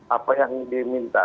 apa yang diminta